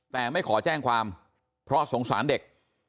แต่ไม่ขอแจ้งความเพราะสงสารเด็ก